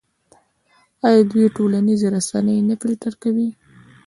آیا دوی ټولنیزې رسنۍ نه فلټر کوي؟